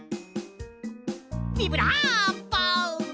ビブラーボ！